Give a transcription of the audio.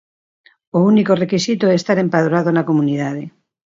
O único requisito é estar empadroado na comunidade.